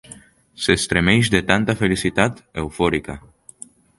S'estremeix de tanta felicitat eufòrica.